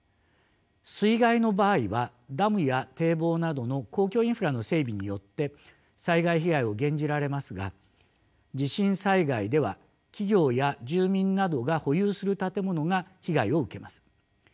水害の場合はダムや堤防などの公共インフラの整備によって災害被害を減じられますが地震災害では企業や住民などが保有する建物が被害を受けます。